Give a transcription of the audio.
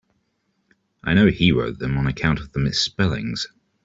I know he wrote them on account of the misspellings.